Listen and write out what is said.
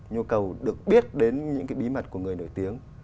nhu cầu được biết đến những cái bí mật của người nổi tiếng